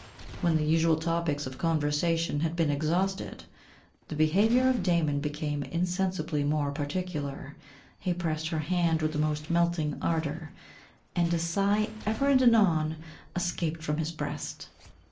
When the usual topics of conversation had been exhausted, the behaviour of Damon became insensibly more particular, he pressed her hand with the most melting ardour, and a sigh ever and anon escaped from his breast.